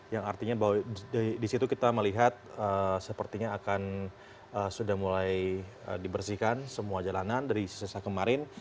yang artinya bahwa disitu kita melihat sepertinya akan sudah mulai dibersihkan semua jalanan